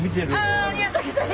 あありがとうギョざいます。